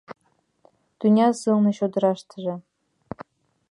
Тӱнян сылне чодыраштыже